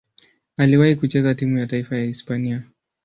Aliwahi kucheza timu ya taifa ya Hispania.